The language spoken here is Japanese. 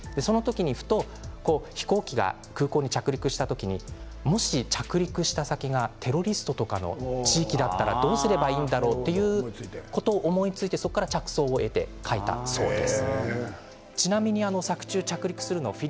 ふと飛行機が空港に着陸した時にもし着陸した先がテロリスト支配する地域だったらどうすればいいんだろうということを思いついて着想を得て描いたそうです。